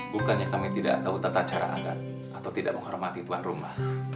bukannya kami tidak tahu tata cara adat atau tidak menghormati tuan rumah